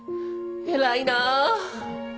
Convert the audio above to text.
偉いなあ！